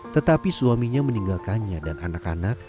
tetapi suaminya meninggalkannya dan anak anak